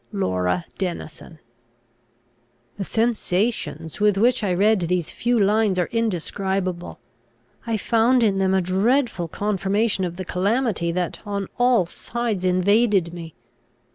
"LAURA DENISON." The sensations with which I read these few lines are indescribable. I found in them a dreadful confirmation of the calamity that on all sides invaded me.